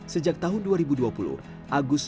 sejak tahun dua ribu dua puluh agus